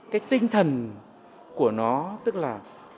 cái tinh thần của nó tức là